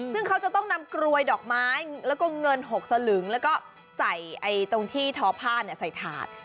ซึ่งเขาจะต้องนำกรวยดอกไม้แล้วก็เงิน๖สลึงแล้วก็ใส่ตรงที่ทอผ้าใส่ถาด